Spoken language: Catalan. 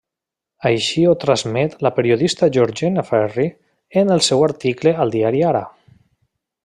Així ho transmet la periodista Georgina Ferri en el seu article al diari Ara.